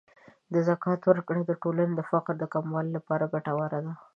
د زکات ورکړه د ټولنې د فقر کمولو لپاره ګټوره ده.